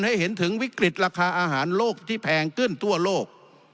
ให้เห็นถึงวิกฤตราคาอาหารโลกที่แพงขึ้นทั่วโลก